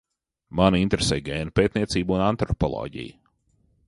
Mani interesē gēnu pētniecība un antropoloģija.